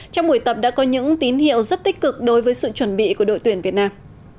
trong buổi tập đã có những tín hiệu rất tích cực đối với sự chuẩn bị của đội tuyển việt nam